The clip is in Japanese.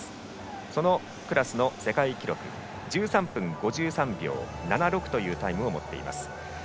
そのクラスの世界記録１３分５３秒７６というタイムを持っています。